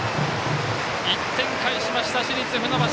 １点返しました市立船橋。